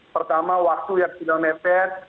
pertama waktu yang sudah mepet